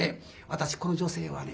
私この女性はね